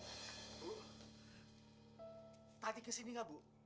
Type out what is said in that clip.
bu tadi kesini enggak bu